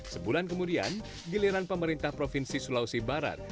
sebulan kemudian giliran pemerintah provinsi sulawesi barat